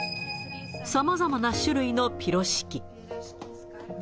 さまざまな種類のピロシキ。